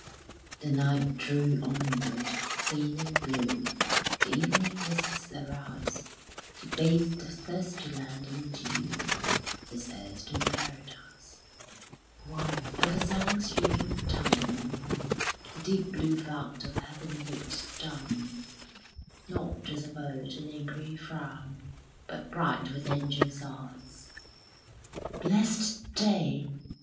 The night drew onward: thin and blue The evening mists arise To bathe the thirsty land in dew, As erst in Paradise While, over silent field and town, The deep blue vault of heaven looked down; Not, as of old, in angry frown, But bright with angels' eyes. Blest day!